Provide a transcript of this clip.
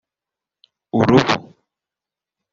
Uruvu